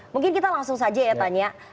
mungkin kita langsung saja ya tanya